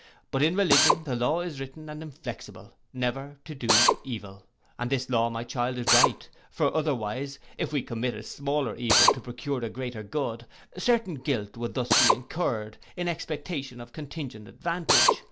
But in religion the law is written, and inflexible, never to do evil. And this law, my child, is right: for otherwise, if we commit a smaller evil, to procure a greater good, certain guilt would be thus incurred, in expectation of contingent advantage.